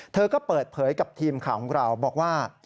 เธอก็เปิดเผยกับทีมข่าวของเราบอกว่า